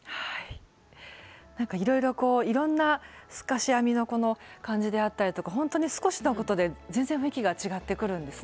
なんかいろいろこういろんな透かし編みの感じであったりとかほんとに少しのことで全然雰囲気が違ってくるんですね。